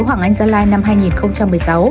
hoàng anh gia lai năm hai nghìn một mươi sáu